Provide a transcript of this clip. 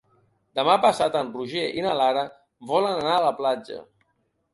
Demà passat en Roger i na Lara volen anar a la platja.